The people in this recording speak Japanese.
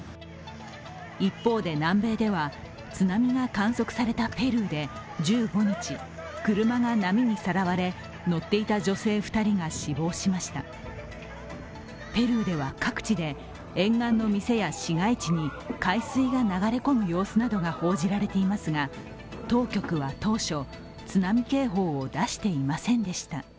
一方で南米では津波が観測されたペルーで１５日、車が波にさらわれ、乗っていた女性２人が死亡しましたペルーでは各地で沿岸の店や市街地に海水が流れ込む様子などが報じられていますが当局は当初、津波警報を出していませんでした。